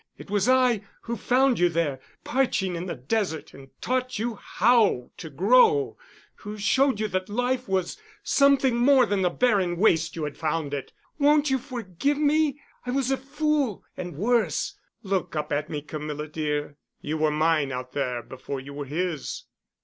It was I who found you there, parching in the desert, and taught you how to grow—who showed you that life was something more than the barren waste you had found it. Won't you forgive me? I was a fool—and worse. Look up at me, Camilla, dear. You were mine out there before you were his.